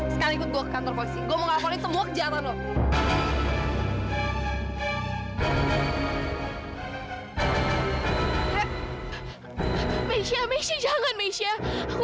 sekalian ikut gue ke kantor posisi gue mau ngapain semua kejahatan lo